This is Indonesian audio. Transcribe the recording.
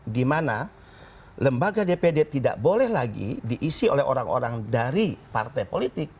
dimana lembaga dpd tidak boleh lagi diisi oleh orang orang dari partai politik